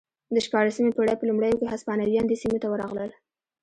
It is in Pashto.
د شپاړسمې پېړۍ په لومړیو کې هسپانویان دې سیمې ته ورغلل